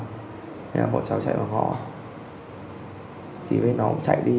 thế bọn cháu chạy vào họ thì bên nó cũng chạy đi